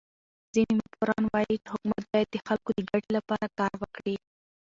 ځيني مفکران وايي، چي حکومت باید د خلکو د ګټي له پاره کار وکړي.